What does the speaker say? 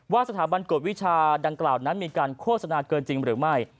สถาบันกวดวิชาดังกล่าวนั้นมีการโฆษณาเกินจริงหรือไม่